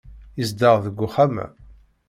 Yezdeɣ deg uxxam-a.